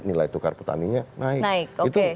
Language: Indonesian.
nilai tukar petaninya naik